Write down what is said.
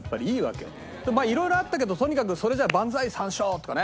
「色々あったけどとにかくそれじゃあ万歳三唱！」とかね。